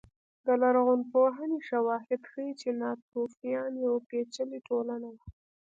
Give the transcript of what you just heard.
د لرغونپوهنې شواهد ښيي چې ناتوفیان یوه پېچلې ټولنه وه